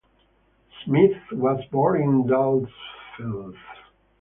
Smit was born in Delfzijl.